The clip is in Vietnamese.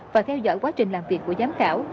và theo dõi quá trình làm việc của giám khảo